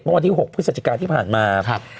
วันที่๖พฤศจิกาที่ผ่านมา